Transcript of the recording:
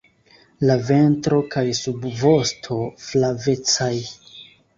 La ventro kaj subvosto flavecaj.